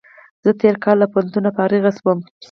زه تېر کال له پوهنتون فارغ شوم